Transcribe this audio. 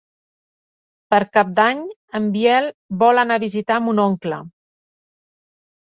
Per Cap d'Any en Biel vol anar a visitar mon oncle.